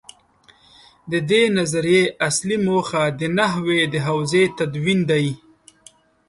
د دې نظریې اصلي موخه د نحوې د حوزې تدوین دی.